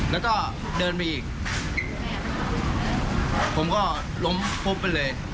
แล้วก็เดินไปอีกผมก็ล้มฟุบไปเลย